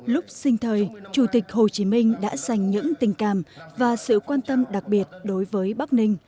lúc sinh thời chủ tịch hồ chí minh đã dành những tình cảm và sự quan tâm đặc biệt đối với bắc ninh